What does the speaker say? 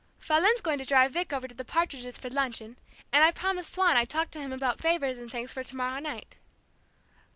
"Fraulein's going to drive Vic over to the Partridges' for luncheon, and I promised Swann I'd talk to him about favors and things for tomorrow night."